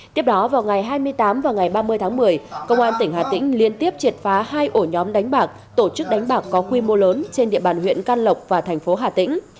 tiếp đó vào ngày hai mươi tám và ngày ba mươi tháng một mươi công an tỉnh hà tĩnh liên tiếp triệt phá hai ổ nhóm đánh bạc tổ chức đánh bạc có quy mô lớn trên địa bàn huyện can lộc và thành phố hà tĩnh